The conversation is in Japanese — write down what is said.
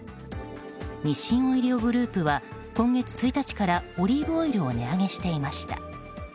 日清オイリオグループは今月１日からオリーブオイルを値上げしていました。